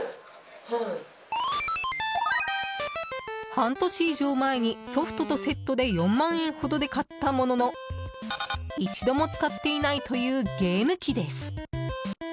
半年以上前にソフトとセットで４万円ほどで買ったものの一度も使っていないというゲーム機です。